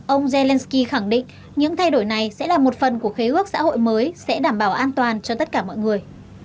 ông zelensky khẳng định những thay đổi này sẽ là một phần của khế ước xã hội mới sẽ đảm bảo an toàn cho tất cả mọi người